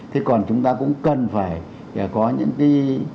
thế còn chúng ta cũng cần phải có những cái